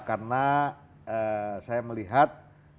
karena saya melihat